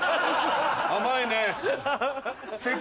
甘いね。